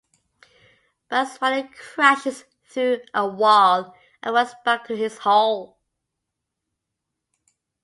Bugs finally crashes through a wall and runs back into his hole.